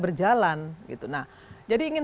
berjalan nah jadi ingin